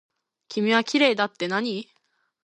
君はきれいだってなに。